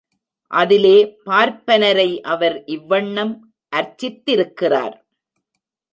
அதிலே பார்ப்பனரை அவர் இவ்வண்ணம் அர்ச்சித்திருக்கிறார்!